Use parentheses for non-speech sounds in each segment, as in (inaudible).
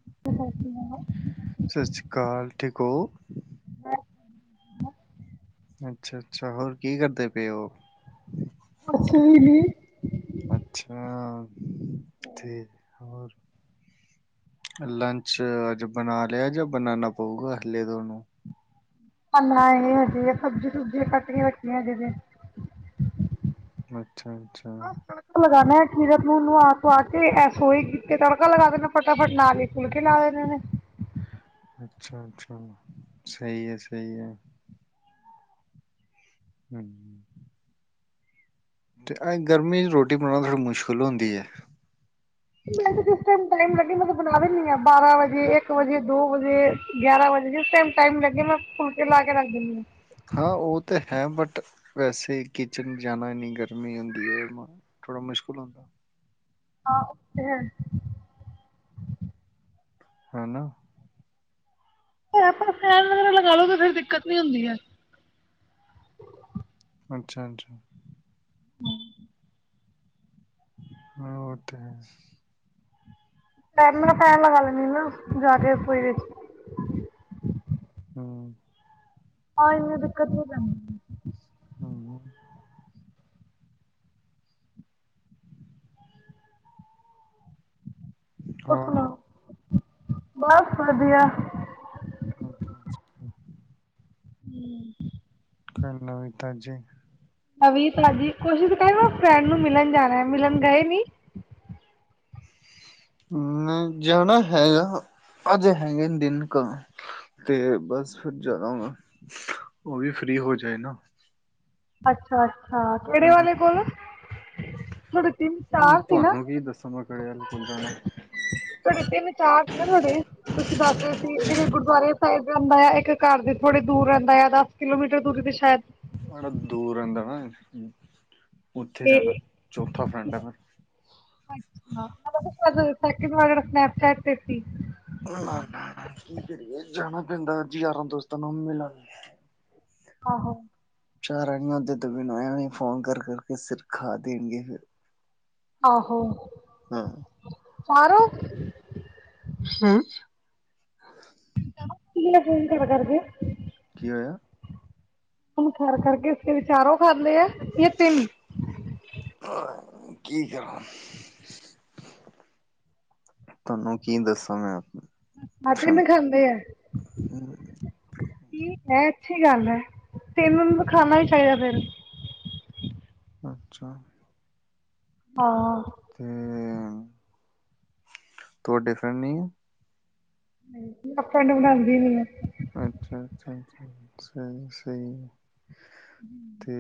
(unintelligible) ਸਤਿ ਸ਼੍ਰੀ ਅਕਾਲ ਠੀਕ ਹੋ। ਕੁਛ ਅੱਛਾ- ਅੱਛਾ ਹੋਰ ਕੀ ਕਰਦੇ ਪਏ ਓ। ਕੁਸ਼ ਵੀ ਨੀ। ਅੱਛਾ, ਠੀਕ ਆ ਹੋਰ। ਲੰਚ ਅੱਜ ਬਣਾ ਲਿਆ ਜਾਂ ਬਣਾਉਣਾ ਪਊਗਾ ਹਲੇੇ ਤੁਹਾਨੂੰ। ਬਣਾਇਆ ਨੀ ਹਜੇ ਸਬਜ਼ੀ ਸੁਬਜ਼ੀਆਂ ਕੱਟ ਕੇ ਰੱਖੀਆਂ ਹਜੇ ਤੇ। ਅੱਛਾ-ਅੱਛਾ। ਲਗਾਣਾ ਸੀਰਤ ਨੂੰ ਨਹਾ -ਧੁਆ ਕੇ ਐ ਸੋਈ ਕੀਤੇ ਤੜਕਾ ਲਗਾ ਦੇਣਾ ਫਟਾਫਟ ਨਾਲ ਹੀ ਫੁਲਕੇ ਲਾ ਦੇਣੇ ਨੇ। ਅੱਛਾ, ਅੱਛਾ ਸਹੀ ਹੈ -ਸਹੀ ਹੈ। ਹਮ- ਹਮ ਤੇ ਆਏ ਗਰਮੀ ਚ ਰੋਟੀ ਬਣਾਉਣਾ ਥੋੜੀ ਮੁਸ਼ਕਿਲ ਹੁੰਦੀ ਆ। ਮੈ ਤਾਂ ਜਿਸ ਟੈਮ, ਟਾਇਮ ਲੱਗੇ ਮੈਂ ਤਾਂ ਬਣਾ ਦਿੰਦੀ ਹਾਂ ਬਾਰਾਂ ਵਜੇ, ਇੱਕ ਵਜੇ, ਦੋ ਵਜੇ। ਗਿਆਰਾਂ ਵਜੇ ਜਿਸ ਟਾਇਮ, ਟਾਇਮ ਲੱਗੇ ਮੈਂ ਫੁਲਕੇ ਲਾ ਕੇ ਰੱਖ ਦਿੰਨੀ ਆ। ਹਾਂ ਉਹ ਤੇ ਹੈ ਬਟ ਵੈਸੇ ਕਿਚਨ ਜਾਣਾ ਇੰਨੀ ਗਰਮੀ ਹੁੰਦੀ ਹੈ ਥੋੜਾ ਮੁਸ਼ਕਿਲ ਹੁੰਦਾ। (unintelligible) ਹਨਾ। ਫਿਰ ਆਪਾਂ ਫੈਨ ਵਗੈਰਾ ਲਗਾਾਲੋ ਤਾਂ ਫੇਰ ਦਿੱਕਤ ਨੀ ਹੁੰਦੀ ਐ। ਅੱਛਾ- ਅੱਛਾ। ਹਾਂ ਉਹ ਤਾਂ ਹੈ। ਪਰ ਨਾ ਮੈ ਫੈਨ, ਲਗਾ ਲੈਣੀ ਆ ਜਾ ਕੇ ਰਸੋਈ ਵਿੱਚ। (unintelligible) ਆਹ ਇੰਨੀ ਦਿੱਕਤ ਹੋ ਜਾਂਦੀ ਆ। (unintelligible) ਤੇ ਸੁਣਾਓ ਬਸ ਵਧੀਆ। (unintelligible) (unintelligible) ਕੋਈ ਨਵੀਂ ਤਾਜੀ? ਨਵੀ ਤਾਜੀ ਕੋਸ਼ਿਸ਼ ਕਰ ਮੈ ਫਰੈਂਡ ਨੂੰ ਮਿਲਣ ਜਾਣਾ ਹੈ ਮਿਲਣ ਗਏ ਨੀ। ਮੈਂ ਜਾਣਾ ਹੈਗਾ, ਅੱਜ (unintelligible) ਤੇ ਬਸ ਫਿਰ ਜਾਣਾ ਵਾ, ਉਹ ਵੀ ਫ੍ਰਰੀ ਹੋ ਜਾਏ ਨਾ। ਅੱਛਾ -ਅੱਛਾ ਕਿਹੜੇ ਹਮ ਵਾਲੇ ਕੋਲ, ਤੁਹਾਡੇ ਤਿੰਨ, ਹੁਣ ਚਾਰ ਸੀ ਨਾ। ਤੁਹਾਨੂੰ ਕੀ ਦੱਸਾ ਤਹਾਨੂੰ? (unintelligible) ੜਆ ਕੋਲਦਾਣਾ ਥੋਡੇ ਤਿੰਨ, ਚਾਰ ਸੀ ਨਾ ਤੁਹਾਡੇ। ਤੁਸੀਂ ਦਸਦੇ ਸੀ ਇੱਕ ਗੁਰਦੁਆਰੇ ਸਾਹਿਬ ਰਹਿੰਦਾ ਆ, ਇੱਕ ਘਰ ਦੇ ਥੋੜੇ ਦੂਰ ਰਹਿੰਦਾ ਆ ਉਹਦਾ ਕਿਲੋਮੀਟਰ ਤੋ ਕਿਤੇ ਸ਼ਾਇਦ ਜਿਹੜਾ ਦੂਰ ਆਉਦਾ ਨਾ, ਉੱਥੇ ਤੇ ਜਾਣਾ ਚੌਥਾ ਫਰੈਂਡ ਆ ਮੇਰਾ। ਅੱਛਾ (unintelligible) ਸਨੈਪਚੈਟ ਤੇ ਸੀ। ਹਾਂ ਨਾ- ਨਾ ਕੀ ਕਰੀਏ ਜਾਣਾ ਪੈਂਦਾ ਜੀ ਯਾਰਾਂ ਦੋਸਤਾਂ ਨੂੰ ਮਿਲਣ। (inaudible) ਆਹੋ। (unintelligible) ਫੋਨ ਕਰ -ਕਰ ਕਰਕੇ ਸਿਰ ਖਾ ਦੇਣਗੇ ਫਿਰ। ਆਹੋ। ਹਾਂ। ਪਾਰੋ। ਹੈ (unintelligible) (unintelligible) ਕੀ ਹੋਇਆ? ਫੋਨ ਕਰ-ਕਰ ਕੇ ਸਿਰ ਚਾਰੋ ਖਾਦੇ ਆ। ਤਿੰਨ (unintelligible) ਆਹ ਠੀਕ ਆ (inaudible) ਤੁਹਾਨੂੰ ਕੀ ਦੱਸਾਂ ਮੈਂ? ਮਤਲਬ (unintelligible) ਖਾਂਦੇ ਆ ਠੀਕ ਹੈ ਅੱਛੀ ਗੱਲ ਹੈ ਫਿਰ ਉਹਨਾ ਨੂੰ ਖਾਣਾ ਹੀ ਚਾਹਿਦਾ ਫਿਰ ਅੱਛਾ। ਹਾਂ। ਤੇ, ਤੁਹਾਡੇ ਫਰੈਂਡ ਨਹੀਂ ਐ? ਆਪਾਂ ਨੂੰ ਬਣਾਦੀ ਨਹੀ ਐ ਅੱਛ-ਅੱਛਾ, ਅੱਛਾ ਅੱਛਾ, ਸਹੀ ਐ- ਸਹੀ ਐ। ਤੇ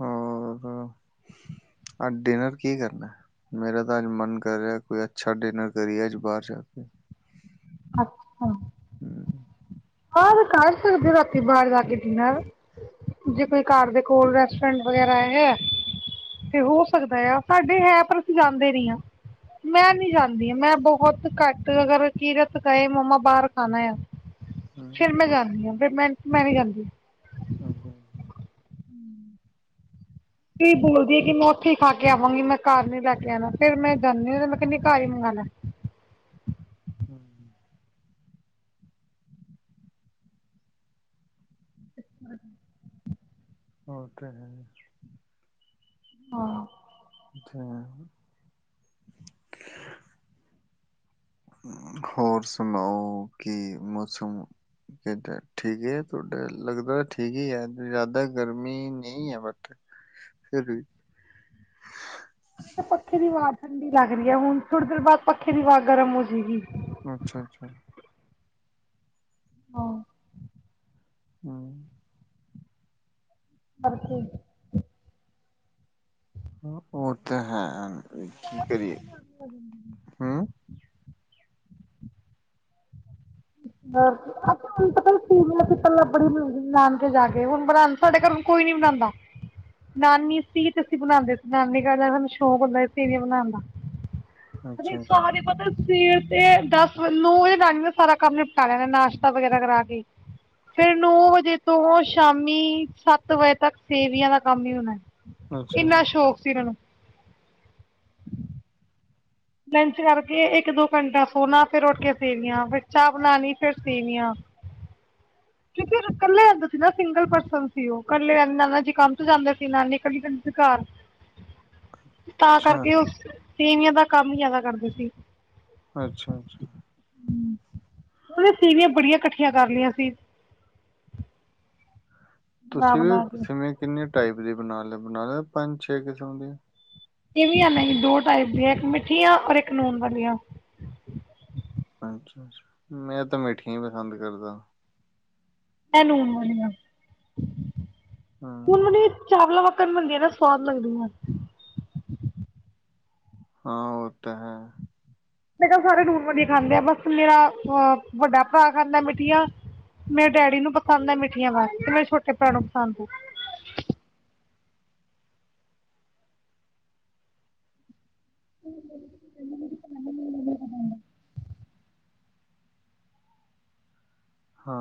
ਹੋਰ? ਆਹ ਡਿਨਰ ਕੀ ਕਰਨਾ? ਮੇਰਾ ਤਾਂ ਅੱਜ ਮਨ ਕਰ ਰਿਹਾ ਕੋਈ ਅੱਛਾ ਡਿਨਰ ਕਰੀਏ ਅੱਜ ਬਾਹਰ ਜਾ ਕੇ (unintelligible) ਹਮ। ਹਾਂ ਕਰ ਸਕਦੇ ਰਾਤੀਂ ਬਾਹਰ ਜਾ ਕੇ ਡਿਨਰ ਜੇ ਕੋਈ ਘਰ ਦੇ ਕੋਲ਼ ਰੈਸਟੋਰੈਂਟ ਵਗੈਰਾ ਹੈਗਾ। ਤੇ ਹੋ ਸਕਦਾ ਆ ਸਾਡੇ ਹੈ ਪਰ ਅਸੀਂ ਜਾਂਦੇ ਨ੍ਹੀਂ ਆ। ਮੈਂ ਨੀ ਜਾਂਦੀ ਹ ਮੈਂ ਬਹੁਤ ਘੱਟ ਅਗਰ ਕੀਰਤ ਕਏ ਮੰਮਾ ਬਾਹਰ ਖਾਣਾ ਆ। ਹਮ ਫ਼ੇਰ ਮੈਂ ਜਾਂਣੀ ਹਾਂ ਫ਼ੇਰ ਮੈਂ, ਮੈਂ ਨੀ ਜਾਂਦੀ। ਹਾਂਜੀ- ਹਾਂਜੀ। ਕੀ ਬੋਲਦੀਏ ਕਿ ਮੈਂ ਉੱਥੇ ਹੀ ਖਾ ਕੇ ਆਵਾਂਗੀ ਮੈਂ ਘਰ ਨੀ ਲੈ ਕੇ ਆਣਾ ਫ਼ੇਰ ਮੈਂ ਜਾਣੀ ਓਦੇ ਹੇ ਮੈਂ ਕਹਿਣੀ ਘਰ ਈ ਮੰਗਉਣਾ। ਹਮ। ਓ ਤੇ ਹੈ। ਹਾਂ। ਅੱਛਾ। ਹੋਰ ਸੁਣਾਓ? ਕੀ ਮੌਸਮ ਏਧਰ ਠੀਕ ਤੁਹਾਡਾ ਲੱਗਦਾ ਠੀਕ ਈ ਏ ਜ਼ਿਆਦਾ ਗਰਮੀ ਨਹੀਂ ਏ ਬਟ ਫ਼ਿਰ ਵੀ ਪੱਖੇ ਦੀ ਵਵਾ ਠੰਡੀ ਲੱਗ ਰਹੀ ਹੈ ਹੁਣ ਥੋੜ੍ਹੀ ਦੇਰ ਬਾਅਦ ਪੱਖੇ ਦੀ ਵਵਾ ਗਰਮ ਹੋ ਜਾਏਗੀ। ਅੱਛਾ- ਅੱਛਾ। ਹਾਂ। ਹਾਂ। (unintelligible) ਉਹ ਤੇ ਹੈ, ਕੀ ਕਰੀਏ? ਹੂੰ। (unintelligible) (unintelligible) ਹੁਣ ਬਣਾ ਸਾਡੇ ਘਰ ਹੁਣ ਕੋਈ ਨੀ ਬਣਾਂਦਾ (inaudible) ਨਾਨੀ ਸੀ ਤੇ ਅਸੀਂ ਬਣਾਂਦੇ ਸੀ ਨਾਨੀ ਕਰ ਸਾਨੂੰ ਸ਼ੌਕ ਹੁੰਦਾ ਸੀ ਸੇਵੀਆਂ ਬਣਾਣ ਦਾ ਅੱਛਾ ਜੀ, ਸਾਰੇ ਪਤਾ ਸਵੇਰ ਤੇ ਦਸ ਵ ਨੂੰ ਨਾਨ ਦਾ ਸਾਰਾ ਕੰਮ ਨਿਪ ਸਾਰਿਆਂ ਦਾ ਨਾਸ਼ਤਾ ਵਗੈਰਾ ਕਰਾ ਕੇ। ਫ਼ੇਰ ਨੌ ਵਜੇ ਤੋਂ ਸ਼ਾਮੀ ਸੱਤ ਵਜੇ ਤੱਕ ਸੇਵੀਆਂ ਦਾ ਕੰਮ ਈ ਹੋਣਾ। ਅੱਛਾ ਇੰਨਾ ਜੀ, ਸ਼ੌਕ ਸੀ ਉਹਨਾਂ ਨੂੰ ਲੰਚ ਕਰਕੇ ਇੱਕ ਦੋ ਘੰਟਾ ਸੋਨਾ ਫੇ਼ਰ ਉੱਠ ਕੇ ਸੇਵੀਆਂ ਫ਼ੇਰ ਚਾਹ ਬਣਾਣੀ ਫ਼ੇਰ ਸੇਵੀਆਂ ਕਿਉਂਕਿ ਇਕੱਲੇ ਰਹਿੰਦੇ ਸੀ ਨਾ ਸਿੰਗਲ ਪਰਸਨ ਸੀ ਉਹ ਕੱਲੇ ਨਾਨਾ ਜੀ ਕੰਮ ਤੋਂ ਜਾਂਦੇ ਸੀ ਨਾਨੀ ਕੱਲੀ ਜਾਂਦੇ ਸੀ ਘਰ। (inaudible) ਤਾਂ ਅੱਛਾ, ਕਰਕੇ ਉਹ, ਸੇਵੀਆਂ ਦਾ ਕੰਮ ਈ ਜ਼ਿਆਦਾ ਕਰਦੇ ਸੀ। ਅੱਛਾ। ਉਹਨੇ ਸੇਵੀਆਂ ਬੜੀ ਇਕੱਠੀਆਂ ਕਰ ਲੀਆ ਸੀ। ਬਣਾ ਤੁਸੀਂ ਵੀ ਬਣਾ ਕੇ ਸੇਵੀਆਂ ਕਿੰਨੇ ਟਾਈਪ ਦੀ ਬਣਾ ਲ ਬਣਾ ਲ ਪੰਜ ਛੇ ਕਿਸਮ ਦੀਆਂ। ਸੇਵੀਆਂ ਨਹੀਂ ਦੋ ਟਾਈਪ ਦੀਆਂ ਇੱਕ ਮਿੱਠੀਆਂ ਔਰ ਇੱਕ ਨੂਨ ਵਾਲੀਆ। ਅੱਛਾ ਅੱਛਾ ਮੈਂ ਤਾਂ ਮਿੱਠੀਆਂ ਈ ਪਸੰਦ ਕਰਦਾ। ਮੈਂ ਨੂਣ ਵਾਲੀਆਂ ਹੂੰ, ਹੁਣ (unintelligible) ਚਾਵਲਾਂ ਪੱਕਣ ਬਣਦੀਆਂ ਨਾ ਸਵਾਦ ਲੱਗਦੀਆਂ। ਹਾਂ ਓ ਤਾਂ ਹੈ। ਇਹ ਤਾਂ ਸਾਰੇ ਨੂਣ ਵਾਲੀਆਂ ਖਾਂਦੇ ਆ ਬਸ ਮੇਰਾ ਅ ਵੱਡਾ ਭਰਾ ਖਾਂਦਾ ਮਿੱਠੀਆਂ ਮੇਰੇ ਡੈਡੀ ਨੂੰ ਪਸੰਦ ਐ ਮਿੱਠੀਆਂ ਬਸ ਤੇ ਮੇਰੇ ਛੋਟੇ ਭਰਾ ਨੂੰ ਪਸੰਦ ਐ। (unintelligible) ਹਾਂ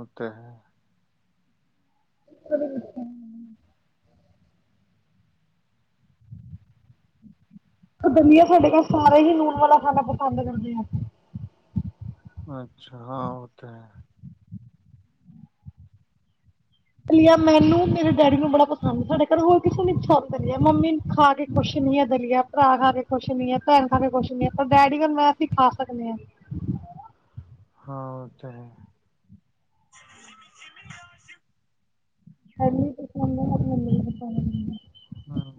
ਓ ਤੇ (unintelligible) ਇੱਕ ਦਲੀਆ ਸਾਡੇ ਘਰ ਸਾਰੇ ਹੀ ਲੂਣ ਖਾਣਾ ਪਸੰਦ ਕਰਦੇ ਆ। ਅੱਛਾ ਹਾਂ ਉਹ ਤਾਂ ਹੈ। ਦਲੀਆ ਮੈਨੂੰ ਮੇਰੇ ਡੈਡੀ ਨੂੰ ਬੜਾ ਪਸੰਦ ਹੈ ਸਾਡੇ ਘਰ ਹੋਰ ਕਿਸੇ ਨੂੰ ਨੀ ਪਸੰਦ ਦਲੀਆ ਮੰਮੀ ਖਾ ਕੇ ਖੁਸ਼ ਨੀ ਐ ਦਲੀਆ। ਭਰਾ ਖਾ ਕੇ ਖੁਸ਼ ਨੀਂ ਐ, ਭੈਣ ਖਾ ਕੇ ਖੁਸ਼ ਨੀ ਐ, ਪਰ ਡੈਡੀ ਵੱਲ ਮੈਂ ਅਸੀਂ ਖਾ ਸਕਦੇ ਹਾਂ। ਹਾਂ ਉਹ ਤਾਂ ਹੈ। (unintelligible) (unintelligible) ਮੈਨੂੰ ਹਾਂ।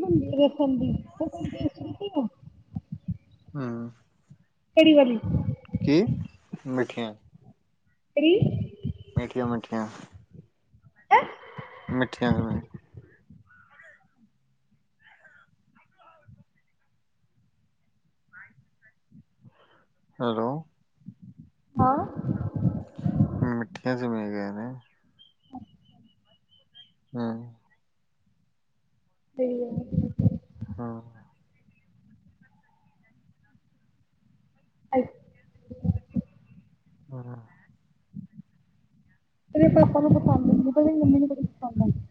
(unintelligible) ਹਮ। ਕਿਹੜੀ ਵਾਲੀ। ਕੀ ਮਿੱਠੀਆਂ (unintelligible) ਮਿੱਠੀਆਂ -ਮਿੱਠੀਆਂ ਹੈ (unintelligible) ਹੈਲੋ। ਹਾਂ। ਮਿੱਠੀਆਂ ਚ (unintelligible) ਹਮ। ਹਮ। ਹਮ। (inaudible) ਹਮ। ਤੇਰੇ ਪਾਪਾ ਨੂੰ ਪਸੰਦ ਨੀ ਆਦੀ ਮੰਮੀ ਨੂੰ ਕੁੜੀ ਪਸੰਦ ਆਂਦੀ।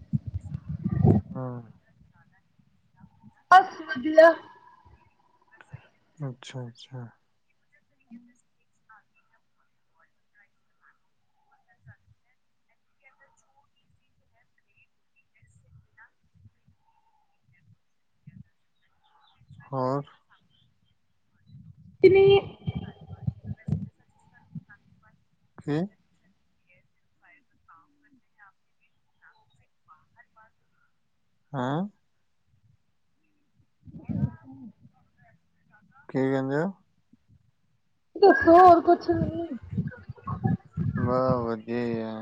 ਹਾਂ। ਬਸ ਵਧੀਆ। ਅੱਛਾ- ਅੱਛਾ। (inaudible) ਹੋਰ ਕੁਛ ਨੀਂ। ਕਿ ਹਾਂ। ਕੀ ਕਹਿੰਦੇ ਓਹ? ਦੱਸੋ ਹੋਰ ਕੁਛ ਵੀ ਬਸ ਵਧੀਆ ਈ ਆ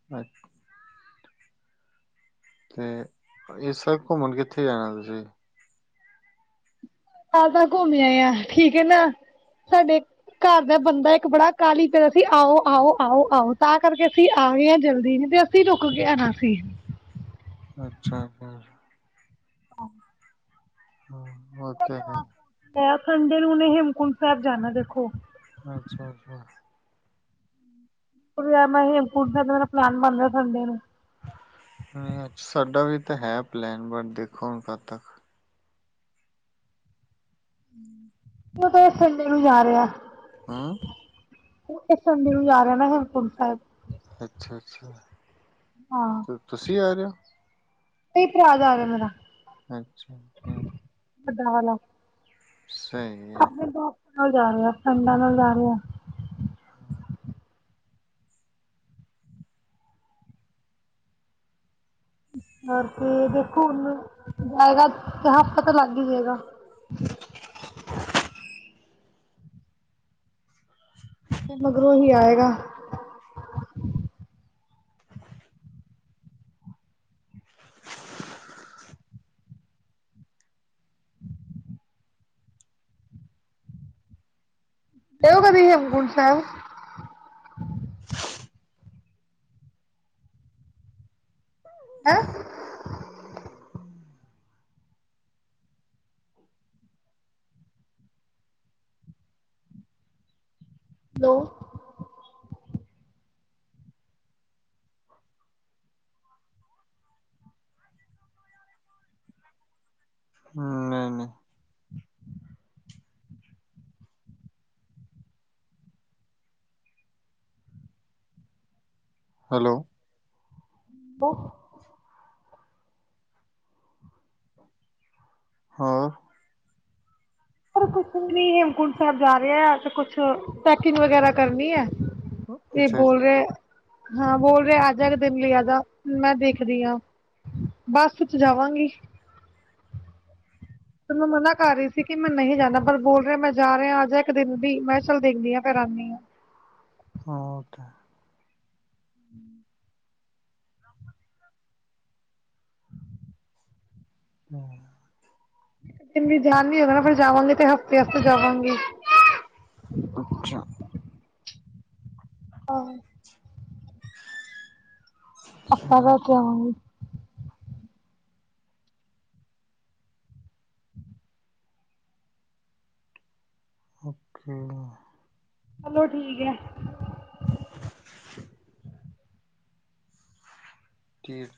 । (unintelligible) ਇਸ ਵਾਰ ਘੁੰਮਣ ਕਿੱਥੇ ਜਾਣਾ ਤੁਸੀਂ? ਆ ਤਾਂ ਘੁੰਮਿਆ ਆ ਠੀਕ ਹੈ ਨਾ ਸਾਡੇ ਘਰ ਦਾ ਬੰਦਾ ਇੱਕ ਬੜਾ ਕਾਹਲੀ ਪਿਆ ਸੀ ਆਓ- ਆਓ -ਆਓ -ਆਓ ਤਾਂ ਕਰਕੇ ਅਸੀਂ ਆ ਗਏ ਹਾਂ ਜਲਦੀ ਨੀ ਤੇ ਅਸੀਂ ਅਸੀਂ ਰੁਕ ਕੇ ਆਣਾ ਸੀ। ਅੱਛਾ ਫਿਰ। (unintelligible) ਇਹ ਸੰਡੇ ਨੂੰ ਹੁਣ ਹੇਮਕੁੰਟ ਸਾਹਿਬ ਜਾਣਾ ਦੇਖੋ। ਅੱਛਾ- ਅੱਛਾ। ਮੈਂ ਹੇਮਕੁੰਟ ਸਾਹਿਬ ਮੇਰਾ ਪਲੈਨ ਬਣ ਰਿਹਾ ਸੰਡੇ ਨੂੰ। ਹਮ ਅੱਛਾ ਸਾਡਾ ਵੀ ਤਾਂ ਹੈ ਪਲੈਨ ਬਟ ਦੇਖੋ ਹੁਣ ਕਦ ਤੱਕ। ਕਿਹੜੇ ਸੰਡੇ ਨੂੰ ਜਾ ਰਹੇ ਆ ਹਮ। ਇਸ ਸੰਡੇ ਨੂੰ ਜਾ ਰਿਹਾ ਨਾ ਹੇਮਕੁੰਟ ਸਾਹਿਬ। ਅੱਛਾ -ਅੱਛਾ। ਹਾਂ ਤੁਸੀਂ ਆ ਰਹੇ ਹੋ। ਨਹੀਂ ਭਰਾ ਜਾਂ ਰਿਹਾ ਮੇਰਾ ਅੱਛਾ -ਅੱਛਾ। (unintelligible) ਵਾਲਾ ਸਹੀ ਹੈ ਆਪਣੇ ਬੋਸ ਨਾਲ ਜਾ ਰਿਹਾ ਫਰੈਂਡਾ ਨਾਲ ਜਾ ਰਿਹਾ। ਹਮ। ਐ ਤੇ ਦੇਖੋ ਹੁਣ ਜਾਏਗਾ ਹਫ਼ਤਾ ਤਾਂ ਲੱਗ ਹੀ ਜਾਏਗਾ। ਹ (inaudible) ਫਿਰ ਮਗਰੋਂ ਉਹੀ ਆਏਗਾ। ਗਏ ਓ ਕਦੀ ਹੇਮਕੁੰਟ ਸਾਹਿਬ। (inaudible) ਹੈਲੋ। (unintelligible) ਹਮ। ਹੈਲੋ। ਉਹ। ਹਾਂ। ਕੁਛ ਨੀ ਹੇਮਕੁੰਟ ਸਾਹਿਬ ਜਾ ਰਿਹਾ ਆ ਤੇ ਕੁਛ ਪੈਕਿੰਗ ਵਗੈਰਾ ਕਰਨੀ ਐਂ। ਇਹ ਅੱਛਾ ਬੋਲ ਅੱਛਾ ਰਹੇ। ਹਾਂ ਬੋਲ ਰਹੇ ਅਜਾ ਕੇ ਦਿਨ ਲਈ ਆ ਜਾ ਮੈਂ ਦੇਖਦੀ ਆ। ਬੱਸ ਵਿੱਚ ਜਾਵਾਂਗੀ। ਤੇ ਮੈਂ ਮਨਾ ਕਰ ਰਹੀ ਸੀ ਕਿ ਮੈਂ ਨਹੀਂ ਜਾਣਾ, ਪਰ ਬੋਲ ਰਿਹਾ ਮੈਂ ਜਾ ਰਿਹਾ ਆਜਾ ਇੱਕ ਦਿਨ ਵੀ ਮੈਂ ਚੱਲ ਦੇਖਦੀ ਹਾਂ ਫਿਰ ਆਉਦੀ ਹਾਂ। ਹਾਂ ਉੱਥੇ। (inaudible) (inaudible) ਇੰਨੀ ਜਾਨ ਨੀਂ ਹੈ ਪਹਿਲਾ ਫਿਰ ਜਾਵਾਂਗੀ ਤੇ ਹਫ਼ਤੇ ਵਾਸਤੇ ਜਾਵਾਂਗੀ। (inaudible) ਅੱਛਾ। ਹਾਂ। (unintelligible) ਕਿਆ ਹੂੰ ਓਕੇ। ਚਲੋ ਠੀਕ ਹੈ। (inaudible) (inaudible) ਠੀਕ।